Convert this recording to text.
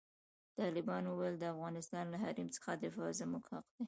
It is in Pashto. طالبانو وویل، د افغانستان له حریم څخه دفاع زموږ حق دی.